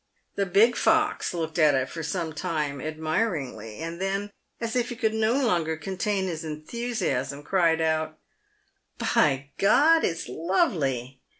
The big fox looked at it for some time admiringly, and then, as if he could no longer contain his enthusiasm, cried out, " By G — d! it's lovely."